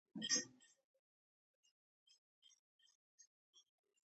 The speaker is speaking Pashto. ازادو مریانو ته ویل شوي وو چې څلوېښت ایکره ځمکه ورکول کېږي.